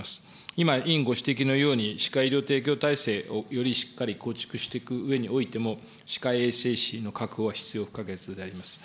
今、委員ご指摘のように、歯科医療提供体制をよりしっかり構築していくうえにおいても、歯科衛生士の確保は必要不可欠であります。